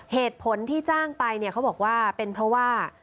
เหตุผลที่จ้างไปเนี่ยเขาบอกว่าเป็นเพราะว่า